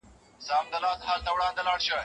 کور خراب کړي بام پر خونه را نسکور سي